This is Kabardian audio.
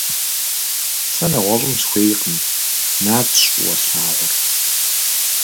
Сэ нэгъуэщӏым сыхуейкъым, Нартщ фӏыуэ слъагъур.